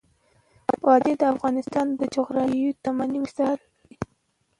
وادي د افغانستان د جغرافیوي تنوع مثال دی.